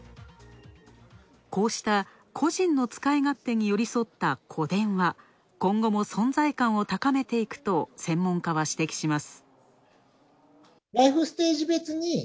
こうした、個人の使い勝手によりそった個電は、今後も存在感を高めていくと専門家は指摘します。